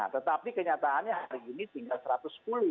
tetapi kenyataannya hari ini tinggal satu ratus sepuluh